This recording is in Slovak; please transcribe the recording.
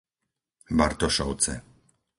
Bartošovce